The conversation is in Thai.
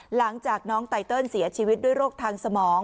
หลังจากน้องไตเติลเสียชีวิตด้วยโรคทางสมอง